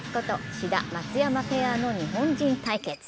志田・松山ペアの日本人対決。